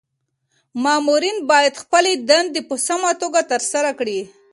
مامورین باید خپلي دندي په سمه توګه ترسره کړي.